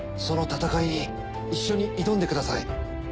その戦いに一緒に挑んでください。